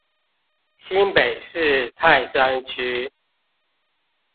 新北市泰山區